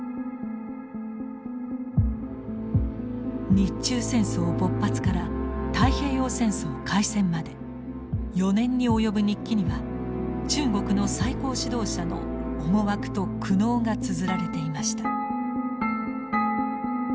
日中戦争勃発から太平洋戦争開戦まで４年におよぶ日記には中国の最高指導者の思惑と苦悩がつづられていました。